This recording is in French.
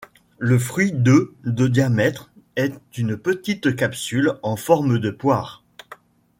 Le fruit de de diamètre est une petite capsule en forme de poire.